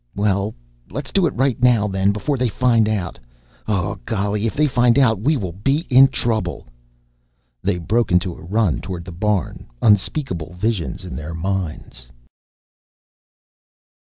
"Well, let's do it right now, then, before they find out. Oh, golly, if they find out, will we be in trouble!" They broke into a run toward the barn, unspeakable visions in their minds.